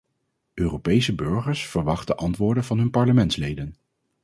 Europese burgers verwachten antwoorden van hun parlementsleden.